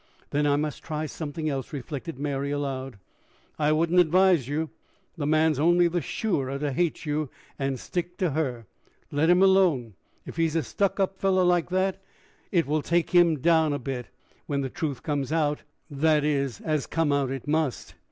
"Then I must try something else," reflected Mary aloud. "I wouldn't advise you. The man's only the surer to hate you and stick to her. Let him alone. If he's a stuck up fellow like that, it will take him down a bit when the truth comes out, that is, as come out it must.